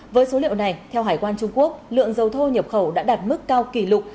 với số liệu này theo hải quan trung quốc lượng dầu thô nhập khẩu đã đạt mức cao kỷ lục